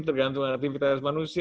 tergantung aktivitas manusia